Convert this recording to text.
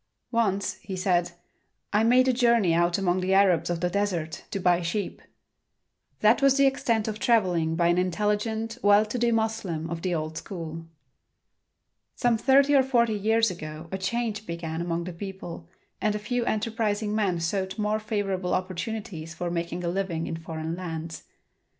"Once," he said, "I made a journey out among the Arabs of the desert, to buy sheep." That was the extent of traveling by an intelligent, well to do Moslem of the old school. Some thirty or forty years ago a change began among the people and a few enterprising men sought more favorable opportunities for making a living in foreign lands.